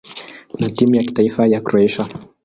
na timu ya taifa ya Kroatia.